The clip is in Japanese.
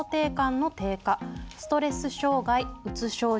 ストレス障害うつ症状